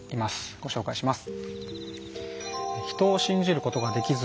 ご紹介します。